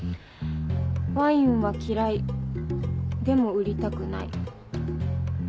ワインは嫌いでも売りたくない。